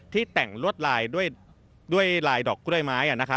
ที่แต่งลวดลายด้วยดอกกล้วยไม้